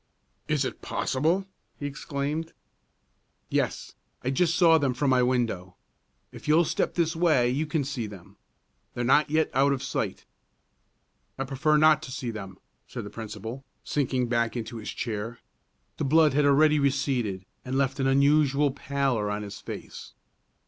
"Is it possible!" he exclaimed. "Yes; I just saw them from my window. If you'll step this way, you can see them. They're not yet out of sight." "I prefer not to see them," said the principal, sinking back into his chair. The blood had already receded, and left an unusual pallor on his face.